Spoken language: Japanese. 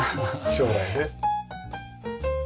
将来ね。